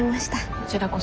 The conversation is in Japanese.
こちらこそ。